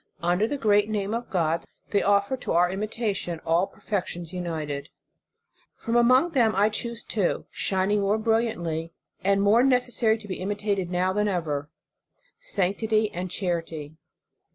Under the great name of God, they offer to our imitation all perfections united. From among them I choose two, shining more bril liantly, and more necessary to be imitated now than ever: sanctity and charity.